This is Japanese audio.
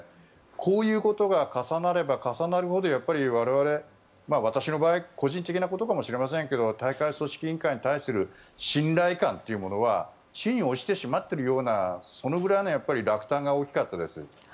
こういうことが重なれば重なるほど我々私の場合個人的なことかもしれませんが大会組織委員会に対する信頼感というものは地に落ちてしまっているようなそのぐらいの落胆が大きかったです。